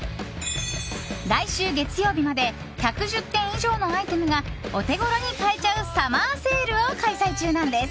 来週月曜日まで１１０点以上のアイテムがお手ごろに買えちゃうサマーセールを開催中なんです。